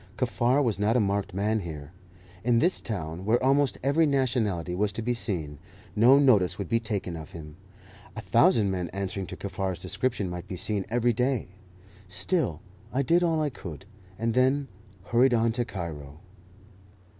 Kaffar was not a marked man here. In this town, where almost every nationality was to be seen, no notice would be taken of him. A thousand men answering to Kaffar's description might be seen every day. Still I did all I could, and then hurried on to Cairo.